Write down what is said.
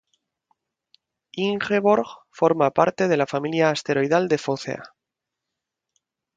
Ingeborg forma parte de la familia asteroidal de Focea.